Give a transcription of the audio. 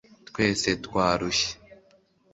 twese twarushye